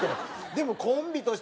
でもコンビとして。